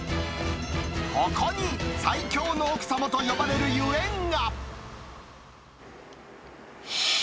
ここに最強の奥様と呼ばれるゆえんが。